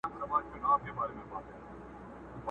برايي مي خوب لیدلی څوک په غوږ کي راته وايي،